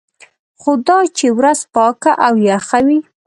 خو دا چې ورځ پاکه او یخه وي.